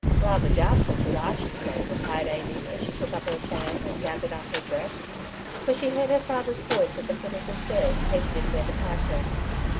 "Rather doubtful good, I should say," replied Amy, as she took up her fan, and gathered up her dress ; for she heard her father's voice at the foot of the stairs, hastening their departure.